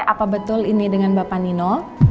apa betul ini dengan bapak nino